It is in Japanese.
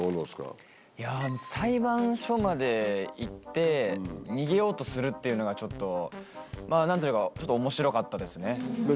裁判所まで行って逃げようとするっていうのがちょっとまぁ何というかちょっと面白かったですね。